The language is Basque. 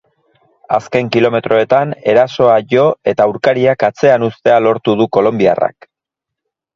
Azken kilometroetan erasoa jo eta aurkariak atzean uztea lortu du kolonbiarrak.